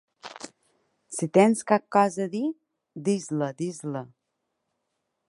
Si tens cap cosa a dir, dis-la, dis-la.